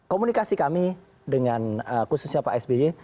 komunikasi kami dengan khususnya pak sby